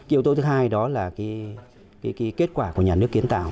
yếu tố thứ hai đó là kết quả của nhà nước kiến tạo